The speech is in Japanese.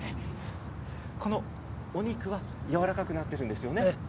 このお肉はやわらかくなっているんですよね。